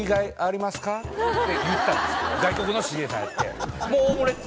外国のＣＡさんやって。